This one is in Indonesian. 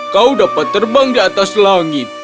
kau dapat terbang di atas langit